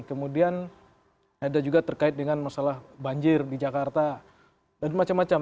kemudian ada juga terkait dengan masalah banjir di jakarta dan macam macam